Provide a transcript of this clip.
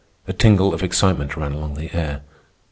A tingle of excitement ran along the air.